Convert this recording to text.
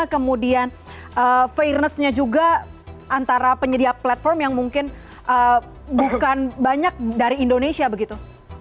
kemudian fairness nya juga antara penyedia platform yang mungkin bukan banyak dari indonesia begitu